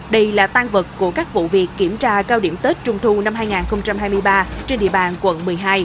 đây là tan vật của các vụ việc kiểm tra cao điểm tết trung thu năm hai nghìn hai mươi ba trên địa bàn quận một mươi hai